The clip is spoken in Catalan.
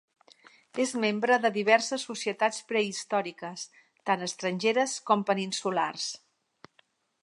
És membre de diverses societats prehistòriques tant estrangeres com peninsulars.